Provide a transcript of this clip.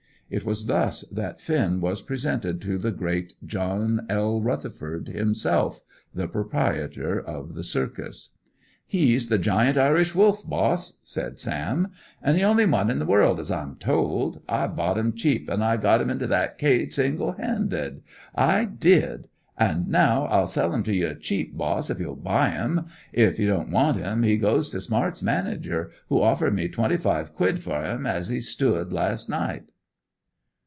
It was thus that Finn was presented to the great John L. Rutherford himself, the proprietor of the circus. "He's the Giant Irish Wolf, boss," said Sam, "and the only one in the world, as I'm told. I bought him cheap, an' I got him into that cage single handed, I did; an' now I'll sell him to you cheap, boss, if you'll buy him. If you don't want him, he goes to Smart's manager, who offered me twenty five quid for him, as he stood last night."